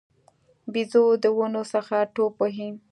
بیزو د ونو څخه ټوپ وهي.